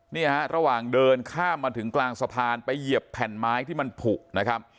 เนี่ยฮะระหว่างเดินข้ามมาถึงกลางสะพานไปเหยียบแผ่นไม้ที่มันผูกนะครับ